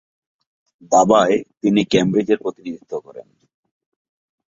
দাবায় তিনি ক্যামব্রিজের প্রতিনিধিত্ব করেন।